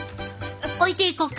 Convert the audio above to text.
置いていこか。